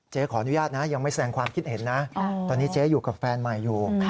ขออนุญาตนะยังไม่แสดงความคิดเห็นนะตอนนี้เจ๊อยู่กับแฟนใหม่อยู่